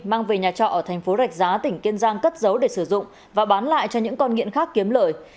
mang về nhà trọ ở thành phố rạch giá tỉnh kiên giang cất giấu để sử dụng và bán lại cho những con nghiện khác kiếm lời